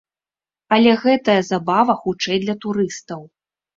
Але гэтая забава хутчэй для турыстаў.